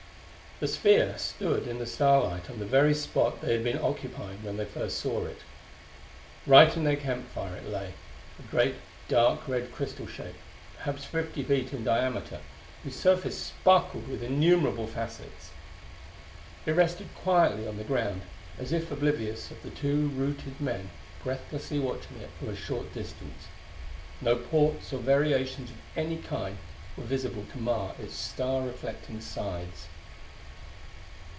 The sphere stood in the starlight on the very spot they had been occupying when they first saw it. Right in their campfire it lay a great, dark red crystal shape perhaps fifty feet in diameter, whose surface sparkled with innumerable facets. It rested quietly on the ground, as if oblivious of the two routed men breathlessly watching it from a short distance. No ports or variations of any kind were visible to mar its star reflecting sides.